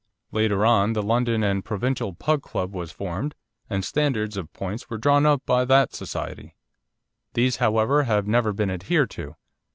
Later on the London and Provincial Pug Club was formed, and standards of points were drawn up by that society. These, however, have never been adhered to.